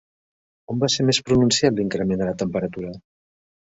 On va ser més pronunciat l'increment de la temperatura?